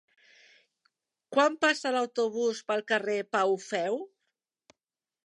Quan passa l'autobús pel carrer Pau Feu?